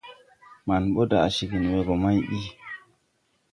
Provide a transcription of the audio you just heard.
Maŋ ɓe daʼ cegè we go may bi.